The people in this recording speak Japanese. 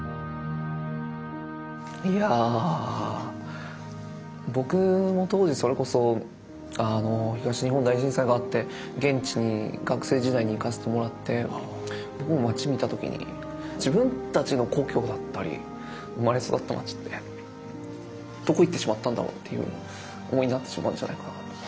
いやあ僕も当時それこそ東日本大震災があって現地に学生時代に行かせてもらって街見た時に自分たちの故郷だったり生まれ育った街ってどこ行ってしまったんだろうという思いになってしまうんじゃないかなって。